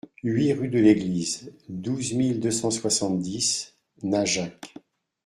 huit rue de L'Église, douze mille deux cent soixante-dix Najac